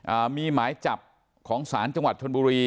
อ่ามีหมายจับของศาลจังหวัดชนบุรี